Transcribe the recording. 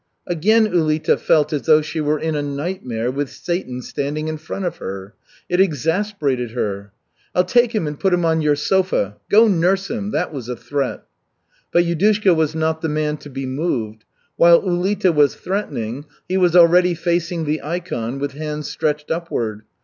Again Ulita felt as though she were in a nightmare with Satan standing in front of her. It exasperated her. "I'll take him and put him on your sofa. Go nurse him!" That was a threat. But Yudushka was not the man to be moved. While Ulita was threatening, he was already facing the ikon, with hands stretched upward.